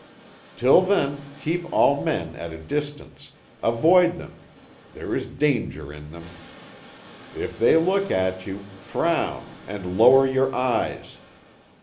Till then, keep all men at a distance; avoid them; there is danger in them. If they look at you, frown, and lower your eyes.